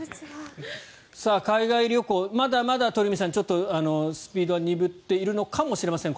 海外旅行、まだまだ鳥海さんスピードは鈍っているのかもしれません。